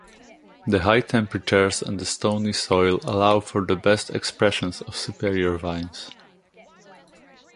The high temperatures and the stony soil allow for the best expressions of superior vines.